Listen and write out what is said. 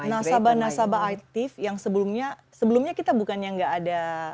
nasabah nasabah aktif yang sebelumnya kita bukannya gak ada